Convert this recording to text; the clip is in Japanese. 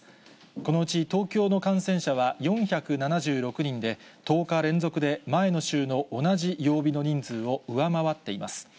このうち東京の感染者は４７６人で、１０日連続で、前の週の同じ曜日の人数を上回っています。